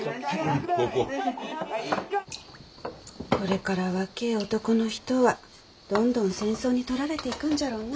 これから若え男の人はどんどん戦争に取られていくんじゃろうなあ。